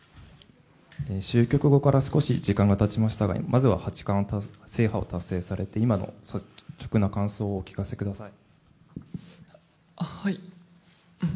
終局から少し時間が経ちましたがまずは八冠制覇を達成されて今の率直な感想をお聞かせください。